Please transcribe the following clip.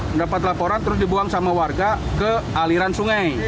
mendapat laporan terus dibuang sama warga ke aliran sungai